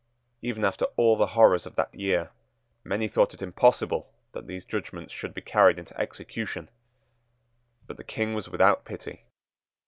Even after all the horrors of that year, many thought it impossible that these judgments should be carried into execution. But the King was without pity.